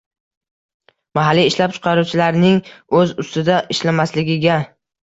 mahalliy ishlab chiqaruvchilarning o‘z ustida ishlamasligiga